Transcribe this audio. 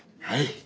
はい。